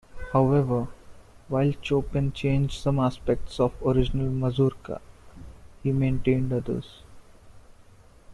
However, while Chopin changed some aspects of the original mazurka, he maintained others.